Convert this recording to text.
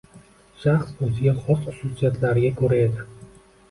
Shaxs o‘ziga xos xususiyatlariga ko‘ra edi.